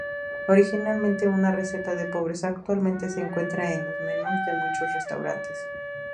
Originalmente una receta de pobres, actualmente se encuentra en los menús de muchos restaurantes.